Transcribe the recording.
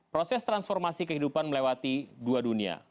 proses transformasi kehidupan melewati dua dunia